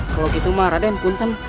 kalau gitu raden punten